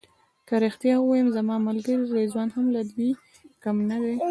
که رښتیا ووایم زما ملګری رضوان هم له دوی کم نه دی.